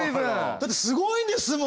だってすごいんですもん！